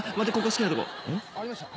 ありました。